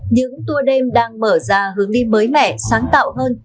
những tour đêm đang mở ra hướng đi mới mẻ sáng tạo hơn